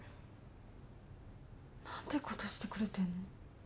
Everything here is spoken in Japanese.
何てことしてくれてんの。